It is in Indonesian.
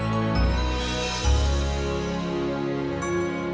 sampai jumpa lagi